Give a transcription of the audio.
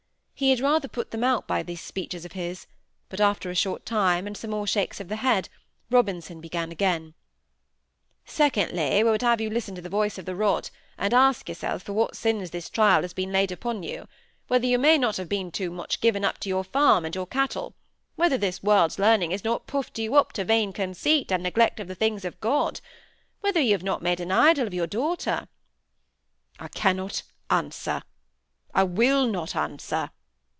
He had rather put them out by these speeches of his; but after a short time and some more shakes of the head, Robinson began again,— "Secondly, we would have you listen to the voice of the rod, and ask yourself for what sins this trial has been laid upon you; whether you may not have been too much given up to your farm and your cattle; whether this world's learning has not puffed you up to vain conceit and neglect of the things of God; whether you have not made an idol of your daughter?" "I cannot answer—I will not answer."